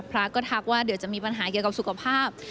พระก็ทักว่าเดี๋ยวจะมีปัญหาเกี่ยวกับสุขภาพ